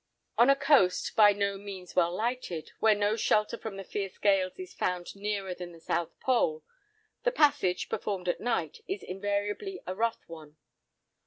On a coast, by no means well lighted, where no shelter from the fierce gales is found nearer than the South Pole, the passage, performed at night, is invariably a rough one.